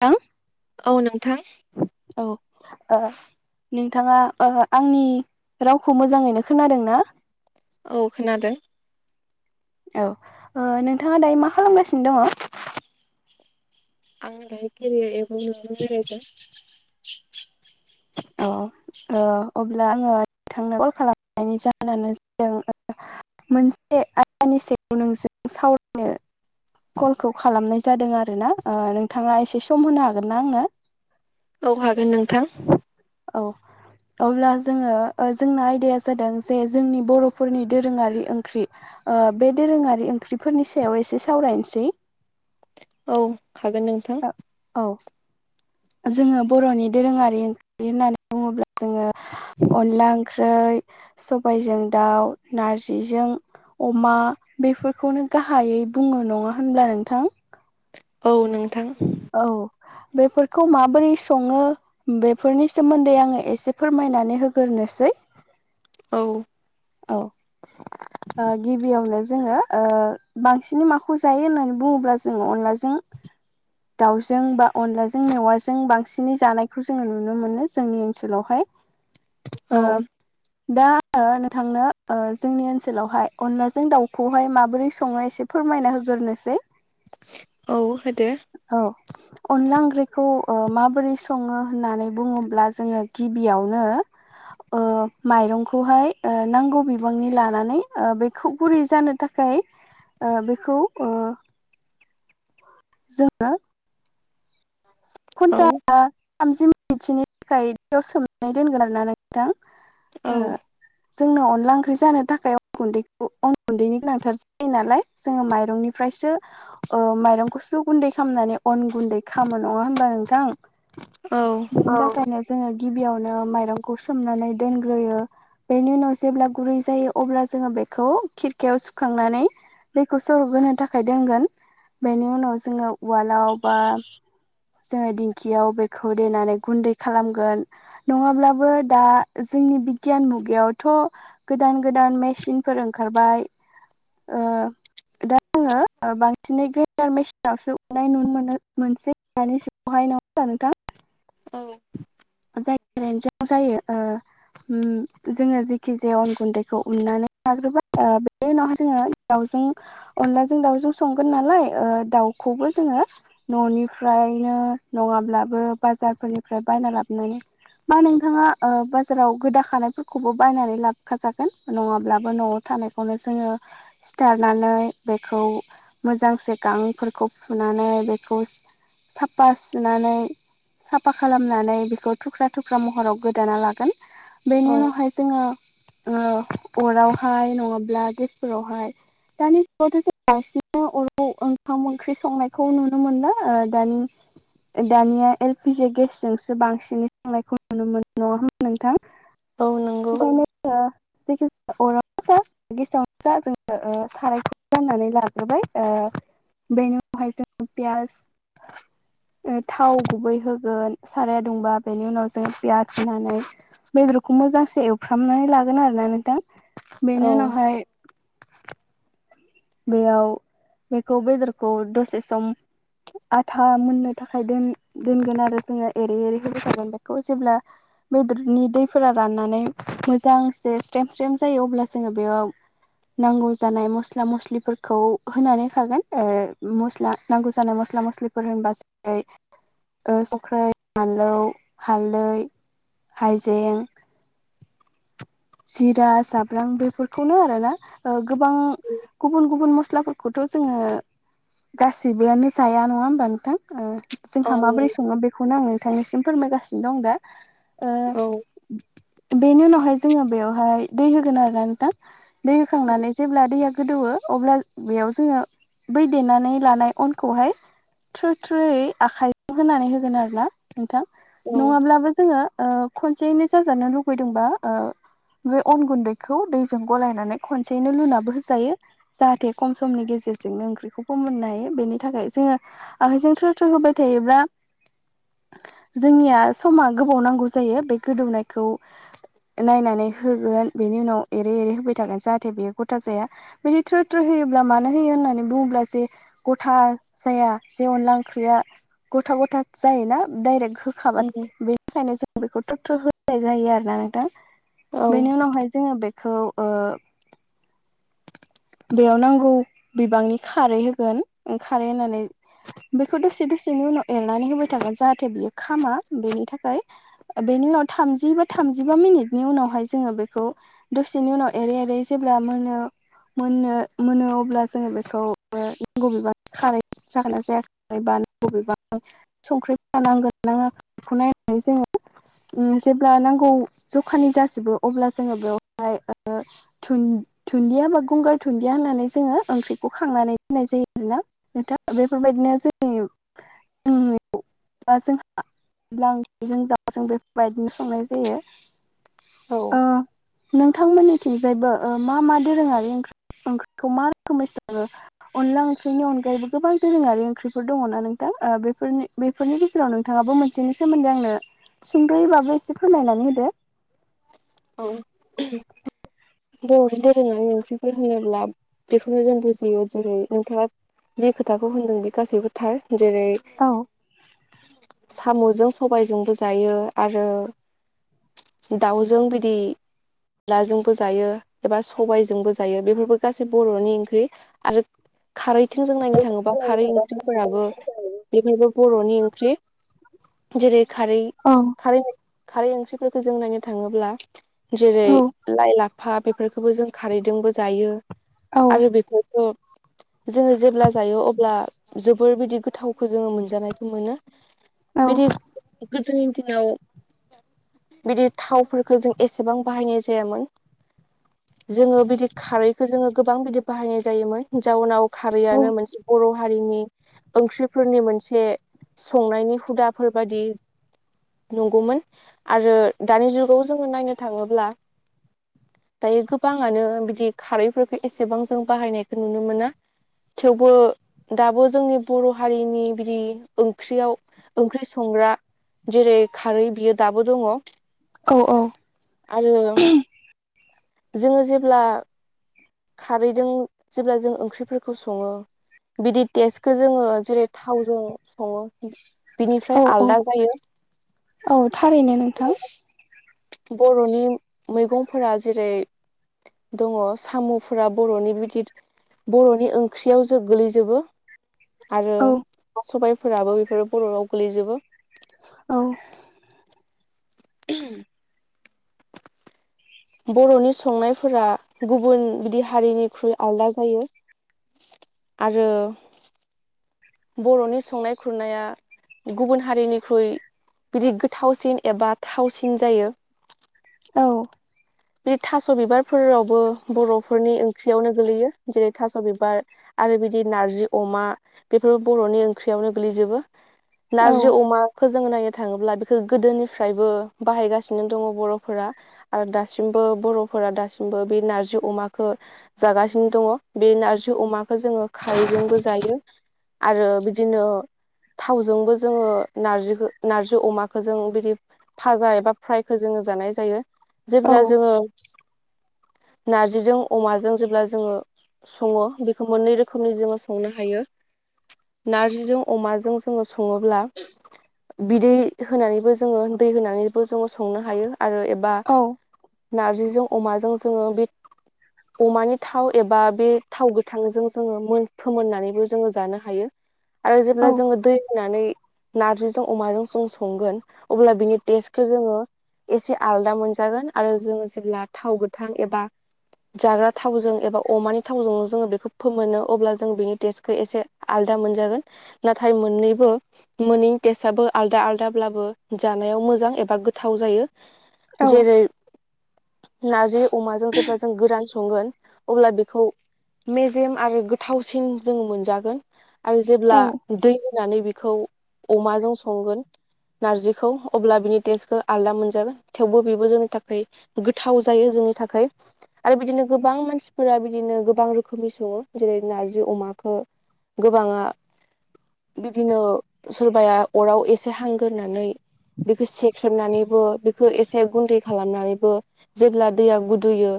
थां औ नोंथां। औ आ नोंथाङा बा आंनि रावखौ मोजाङैनो खोनादों ना? औ खोनादों। औ। नोंथाङा दायो मा खालामगासिनो दङ? आं दायो केरिया एबाव नोंनो बेरायजों औ। ओ अब्ला आङो थांनो कल खालामनायनि जाहोनानो जादों ओ मोनसे आयदानि सायावायाव नोंजों सावरायनो कलखौ खालामनाय जादों आर ना। नोंथाङा एसे सम होनो हागोन ना आंनो? औ हागोन नोंथां। औ। अब्ला जोङो जोंना आयदाया जादों जे जोंनि बर'फोरनि दोरोङारि ओंख्रि। बे दोरोङारि ओंख्रिफोरनि सायाव एसे सावरायनोसै। औ हागोन नों आ-औ जोङो बर'नि दोरोङारि ओं ख्रि होननानै बुङोब्ला जोङो अनला ओंख्रै सबायजों दाउ, नारजिजों अमा बेफोरखौनो गाहायै बुङो नङा होनब्ला नोंथां? औ नोंथां। औ बेफोरखौ माबोरै सङो? बेफोरनि सोमोन्दै आङो एसे फोरमायनानै होगोरनोसै। औ। औ आ गिबियावनो जोङो ओ बांसिनै माखौ जायो होननानै बुङोब्ला जोंङो अनलाजों दाउजों बा अनलाजों मेवाजों बांसिनै जानायखौ जोङो नुनो मोनो जोंनि ओनसोलावहाय। औ ओ दा आङो नों थांनो ओ जोंनि ओनसोलावहाय अनलाजों दाउखौहाय माबोरै सङो एसे फोरमायना होगोरनोसै। औ होदो। औ। अनला ओंख्रिखौ माबोरै सङो होननानै बुङोब्ला जोङो गिबियावनो माइरंखौहाय नांगौ बिबांनि लानानै बेखौ गुरै जानो थाख खाय बेखौ जोङो औ खुनथा थामजि मिनिटसोनि थाखाय बेयाव सोमनाय दोनगोन आरना नोंथां औ जोंनो अनला ओंख्रि जानो थाखाय अन गुन्दैखौ अन गुन्दैनि गोनांथार जायो नालाय जोङो माइरंनिफ्रायसो माइरंखौसो गुन्दै खालामनानै अन गुन्दै खामो नङा होनबा नोंथां? औ बिनि थाखायनो जोङो गिबियावनो माइरंखौ सोमनानै दोनग्रोयो। बेनि उनाव जेब्ला गुरै जायो अब्ला जोङो बेखौ खिरखायाव सुखांनानै दैखौ सर'ब होनो थाखाय दोनगोन बेनि उनाव जोङो उवालाव बा जोङो दिंखियाव बेखौ देनानै गुन्दै खालामगोन नङाब्लाबो दा जोंनि बिगियान मुगायावथ' गोदान गोदान मेसिनफोर ओंखारबाय ओ दा आङो बांसिनै ग्रेडार मेसिनावसो उनाय नुनो मोनो मोनसै। दानि जुगावहाय नङा होनब्ला नोंथां? औ जायनो [unintelligible] जायो जोङो जेखि जाया अन गुन्दैखौ उननानै लाग्रोबाय बे उनावहाय जोङो दाउजों अनलाजों दाउजों संगोन नालाय दाउखौबो जोङो न'निफ्रायनो नङाब्लाबो बाजारफोरनिफ्राय बायना लाबोनानै मा नोंथाङा बाजाराव गोदा खानायफोरखौबो बायनानै लाबोखाजागोन नङाब्लाबो न'आव थानायखौनो जोङो सिथारनानै बेखौ मोजांसे गांफोरखौ फुनानै बेखौ साफा सुनानै साफा खालामनानै बे खौ थुख्रा थुख्रा महराव गोदाना लागोन बेनि औ उनावहाय जोङो अरावहाय नङाब्ला गेसफोरावहाय दानि जुगावथ' जों बांसिबो अराव ओंखाम ओंख्रि संनायखौ नुनो मोनला दानि दानिया एलपिजि गेसजोंसो बांसिन संनायखौ नुनो मोनो नङा होमब्ला नोंथां? औ नों [unintelligible] गेसआवनो जोङो सारायखौ [unintelligible] लाग्रोबाय बेनि उनावहाय जोङो पियास थाव गुबै होगोन साराया दुंबा बेनि उनाव जोङो पियास होनानै बेदरखौ मोजांसे एवफ्रामनानै लागोन आरोना नोंथां। बेनि औ उनावहाय बेयाव बेखौ बेदरखौ दसे सम आथा मोननो थाखाय दोनगोन आरो जोङो एरै एरै होबाय थागोन बेखौ जेब्ला बेदरनि दैफोरा राननानै मोजांसे स्रेम स्रेम जायो अब्ला जोङो बेयाव नांगौ जानाय मस स्ला मस्लिफोरखौ होनानै होखागोन ओ मस्ला नांगौ जानाय मस्ला मस्लिफोर होनबासो [unintelligible] संख्रै बानलौ हालदै हाइजें जिरा जाब्रां बेफोरखौनो आरोना गोबां गुबुन गुबुन मस्लाफोरखौथ' जोङो गासिबोआनो जाया नङा होमबा नोंथां ओ औ जोंहा माबोरै सङो बेखौनो आं नोंथांनिसिम फोरमायगासिनो दं दा। औ ओ बेनि उनावहाय जोङो बेवहाय दै होगोन आरोना नोंथां। दै होखांनानै जेब्ला दैया गोदौवो अब्ला बैयाव जोङो बै देनानै लानाय अनखौहाय थ्रु थ्रुयै आखाइजों होनानै होगोन आरोना नोंथां। नङाब्लाबो जोङो ओ खनसेयैनो जाजानो लुगैदोंबा ओ बे अन गुन्दैखौ दैजों गलायनानै खनसेैनो लुनाबो होजायो। जाहाथे खम समनि गेजेरजोंनो ओंख्रिखौ फोमोननो हायो बेनि थाखाय जोङो आखायजों थ्रो थ्रो होबाय थायोब्ला जोंनिया समा गोबाव नांगौ जायो बे गोदौनायखौ नायनानै होगोन बेनि उनाव एरै एरै होबाय थागोन जाहाथे बेयो गथा जाया। बिदि थ्रो थ्रो होयोब्ला मानो होयो होननानै बुङोब्ला जे गथा जाया जे अनला ओंख्रिया गथा गथा जायोना डाइरेक्ट हो खाबा बेनिखायनो जों बेखौ थ्रु थ्रु होनाय जायो आरोना नोंथां। औ बेनि उनावहाय जोङो बेखौ ओ बेयाव नांगौ बिबांनि खारै होगोन खारै होनानै बेखौ दसे दसेनि उनाव एरनानै होबाय थागोन जाहाथे बियो खामा बेनि थाखाय। ओ बेनि उनाव थामजि बा थामजिबा मिनिट नि उनावहाय जोङो बेखौ दसेनि उनाव एरै एरै जेब्ला मोनो मोननो मोनो अब्ला जोङो बेखौ [inaudible] जागोना जायाखै [unintelligible] संख्रि नांगोन नाङा बेखौ नायनानै जोङो उम जेब्ला नांगौ जखानि जाजोबो अब्ला जोङो बेवहाय ओ धुन दुुनन्दिया बा गंगार दुनन्दिया होनानै जोङो ओंख्रिखौ खांनानै होननाय जायो आरो ना। नोंथा बेफोरबायदिनो जोंनि [inaudible] बा जोंहा [inaudible] जों बेफोरबायदिनो संनाय जायो। ओ नोंथां मोननिथिंजायबो ओ मा मा दोरोङारि ओंख्रि ओंख्रिखौ मा रोखोमै सङो अनला ओंख्रिनि अनगायैबो गोबां दोरोङारि ओंख्रिफोर दङ ना नोंथां ओ बेफोरनि बैफोरनि गेजेराव नोंथाङाबो मोनसेनि सोमोन्दै आंनो सुंदयै बाबो एसे फोरमायनानै होदो। औ बर'नि दोरोङारि ओंख्रिफोर होनोब्ला बेखौनो जों बुजियो जेरै नोंथाङा जि खोथाखौ होनदों बे गासैबो थार। जेरै औ साम'जों सबायजोंबो जायो आरो दाउजों बिदि लाजोंबो जायो एबा सबायजोंबो जायो बेफोरबो गोसै बर'नि ओंख्रि आरो खारै थोंजों नायनो थाङोबा खारै ओंख्रिफोराबो बेफोरबो बर'नि ओंख्रि। जेरै खारै औ खारै खारै ओंख्रिफोरखौ जों नायनो थाङोब्ला जेरै लाइ लाफा बेफोरखौबो जों खारैजोंबो जायो। औ आरो बेफोरथ' जोङो जेब्ला जायो अब्ला जोबोर बिदि गोथावखौ जोङो मोनजानायखौ मोनो। औ बिदि गोदोनि दिनाव बिदि थावफोरखौ जों एसेबां बाहायनाय जायामोन। जोङो बिदि खारैखो जोङो गोबां बिदि बाहायनाय जायोमोन। जाउनाव खारैआनो मोनसे बर' हारिनि ओंख्रिफोरनि मोनसे संनायनि हुदाफोर बादि नंगौमोन आरो दानि जुगाव जोङो नायनो थाङोब्ला दायो गोबाङानो बिदि खारैफोरखो एसेबां जों बाहायनायखौ नुनो मोना। थेवबो दाबो जोंनि बर' हारिनि बिदि ओंख्रियाव ओंख्रि संग्रा जेरै खारै बियो दाबो दङ। औ औ आरो जोङो जेब्ला खारैदों जेब्ला जों ओंख्रिफोरखौ सङो बिदि टेस्टखौ जोङो जेरै थावजों सङो बिनिफ्राय औ औ आलदा जायो। औ थारैनो नोंथां। बर'नि मैगंफोरा जेरै दङ साम'फोरा बर'नि बिदि बर'नि ओंख्रियाव जो गोलैजोबो। आरो औ सबायफोराबो बेफोरो बर'वाव गोलैजोबो। औ [unintelligible] बर'नि संनायफोरा गुबुन बिदि हारिनिख्रुइ आलदा जायो। आरो बर'नि संनाय खुरनाया गुबुन हारिनिख्रुइ बिदि गोथावसिन एबा थावसिन जायो। औ बे थास' बिबारफोरावबो बर'फोरनि ओंख्रियावनो गोलैयो जेरै थास' बिबार आरो बिदि नारजि अमा बेफोरबो बर'नि ओंख्रियावनो गोग्लैजोबो। औ नारजि अमा खौ जोङो नायनो थाङोब्ला बेखौ गोदोनिफ्रायबो बाहायगासिनो दङ बर'फोरा आरो दासिम बो दासिमबो बर'फोरा दासिमबो बे नारजि अमाखौ जागासिनो दङ बे नारजि अमा खौ जोङो खारैजोंबो जायो आरो बिदिनो थावजोंबो जोङो नारजिखौ नार्जि अमाखौ जों बिदि फाजा एबा फ्रायखौ जोङो जानाय जायो जेब्ला जोङो नारजिजों अमाजों जेब्ला जोङो सङो बेखौ मोननै रोखोमनि जोङो संनो हायो। नारजिजों अमाजों जोङो सङोब्ला बिदै होनानैबो जोङो दै होनानैबो जोङो संनो हायो आरो एबा औ नारजिजों अमाजों जोङो बे अमानि थाव एबा बे थाव गोथांजों जोङो मोन फोमोननानैबो जोङो जानो हायो। [inaudible] आरो जेब्ला औ जोङो दै होनानै नारजिजों अमाजों जों संगोन अब्ला बिनि टेस्टखौ जोङो एसे आलदा मोनजागोन आरो जोङो जेब्ला थाव गोथां एबा जाग्रा थावजों एबा अमानि थावजोंनो जोङो बेखौ फोमोनो अब्ला जों बिनि टेस्टखौ एसे आलदा मोनजागोन नाथाय मोननैबो मोननैनि टेस्टआबो आलदा आलदाब्लाबो जानायाव मोजां एबा गोथाव जायो। औ जेरै नारजि अमाजों जेब्ला जों गोरान संगोन अब्ला बेखौ मेजेम आरो गोथावसिन जोङो मोनजागोन आरो औ जेब्ला दै होनानै बेखौ अमाजों संगोन नारजिखौ अब्ला बिनि टेस्टखौ आलदा मोनजागोन थेवबो बेबो जोंनि था खै गोथाव जायो जोंनि थाखाय। आरो बिदिनो गोबां मानसिफोरा बिदिनो गोबां रोखोमनि सङो जेरै नारजि अमाखौ गोबाङा बिदिनो सोरबाया अराव एसे हांग्रोनानै बेखौ सेख्रेबनानैबो बेखौ एसे गुन्दै खालामनानैबो जेब्ला दैया गुदुयो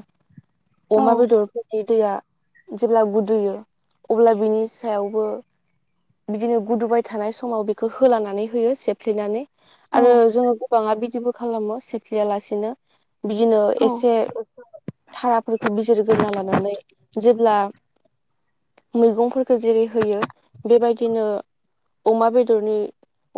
औ अमा बेदरफोरनि दैया जेब्ला गुदुयो अब्ला बिनि सायावबो बिदिनो गुदुबाय थानाय समाव बेखौ होलानानै होयो सेफ्लिनानै। आरो औ जोङो गोबाङा बिदिबो खालामो सेफ्लेया लासिनो। बिदिनो एसे थाराफोरखौ बिजिरग्रोना लानानै जे ब्ला मैगंफोरखौ जेरै होयो बेबायदिनो अमा बेदरनि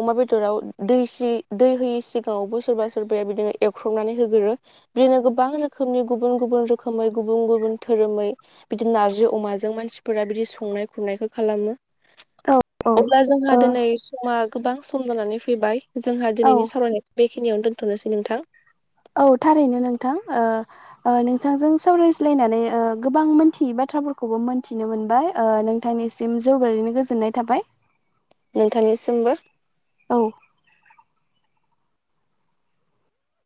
अमा बेदराव दैसि दै होयि सिगाङावबो सोरबा सोरबाया बिदिनो एउ ख्रुबनानै होगोरो बिदिनो गोबां रोखोमनि गुबुन गुबुन रोखोमै गुबुन गुबुन धोरोमै बिदि नार्जि अमाजों मानसिफोरा बिदि संनाय खुरनायखौ खालामो। औ ओ अब्ला जोंहा दिनै समा गोबां सम जानानै फैबाय जोंहा औ दिनैनि सावरायनाय बेखिनियाव दोनथ'नोसै नोंथां औ थारैनो नोंथां ओ ओ नोंथांजों सावरायज्लायनानै ओ गोबां मोनथियि बाथ्राफोरखौबो मोनथिनो मोनबाय ओ नोंथांनि सिम जौगारैनो गोजोननाय थाबाय नोंथांनिसिमबो औ